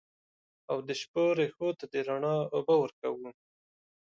او د شپو رېښو ته د رڼا اوبه ورکوو